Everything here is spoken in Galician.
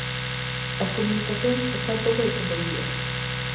As comunicacións están pouco desenvolvidas.